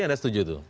anda setuju tuh